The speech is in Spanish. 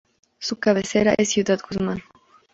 Su cabecera es Ciudad Guzmán.